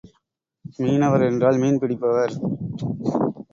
மீனவர் என்றால் மீன் பிடிப்பவர்.